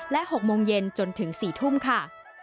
และ๖โมงเย็นจนถึง๔ทุ่มค่ะ